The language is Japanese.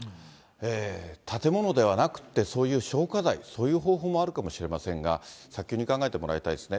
建物ではなくて、そういう消火剤、そういう方法もあるかもしれませんが、早急に考えてもらいたいですね。